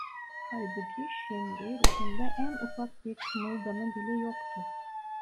Halbuki şimdi ruhunda en ufak bir kımıldama bile yoktu.